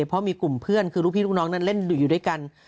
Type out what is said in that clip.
เพราะมีกลุ่มเพื่อนคือลูกพี่ลูกน้องนั้นเล่นอยู่ด้วยกัน